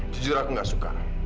jujur aku gak suka